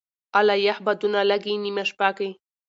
اله یخ بادونه لګې نېمه شپه کي